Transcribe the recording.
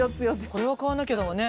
これは買わなきゃだわね。